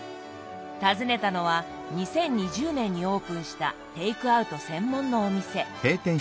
訪ねたのは２０２０年にオープンしたテイクアウト専門のお店。